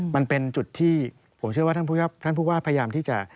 มันเป็นจุดที่ผมเชื่อว่าท่านผู้ว่าพยายามที่จะ